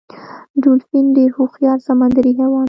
ډولفین ډیر هوښیار سمندری حیوان دی